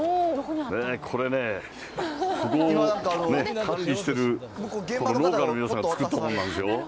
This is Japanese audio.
これね、ここを管理してる農家の皆さんが作ったものなんですよ。